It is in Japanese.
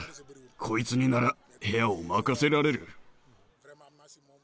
こいつになら部屋を任せられる。